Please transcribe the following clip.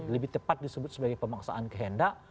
lebih tepat disebut sebagai pemaksaan kehendak